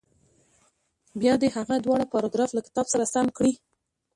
بیا دې هغه دواړه پاراګراف له کتاب سره سم کړي.